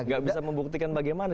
tidak bisa membuktikan bagaimana